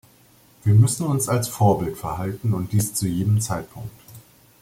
Wir müssen uns als Vorbild verhalten, und dies zu jedem Zeitpunkt!